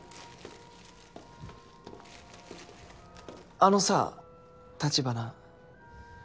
あのさ橘。